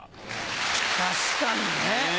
確かにね。ね。